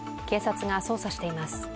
警察が捜査しています。